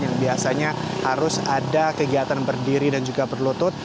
yang biasanya harus ada kegiatan berdiri dan juga berlutut